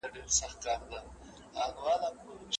وخت مه ضايع کوه چي بېرته نه راګرځي او تا ته ګټه نه درکوي .